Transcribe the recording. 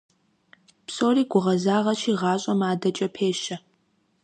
Псори гугъэзагъэщи, гъащӀэм адэкӀэ пещэ.